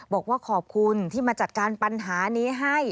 บอกว่าขอบคุณที่มาจัดการปัญหานี้ให้